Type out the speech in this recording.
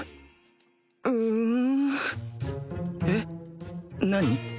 えっ何？